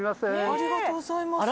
ありがとうございます。